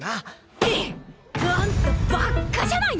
あんたバッカじゃないの！？